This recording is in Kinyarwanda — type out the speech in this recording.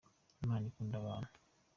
Imana ikunda abantu.